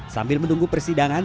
sambil menunggu persidangan